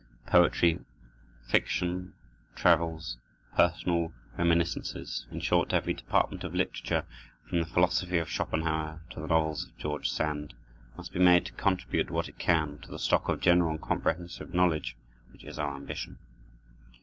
Poetry, fiction, travels, personal reminiscences, in short every department of literature, from the philosophy of Schopenhauer to the novels of George Sand, must be made to contribute what it can to the stock of general and comprehensive knowledge, which is our ambition.